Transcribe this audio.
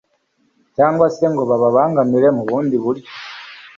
cyangwa se ngo bibabangamire mu bundi buryo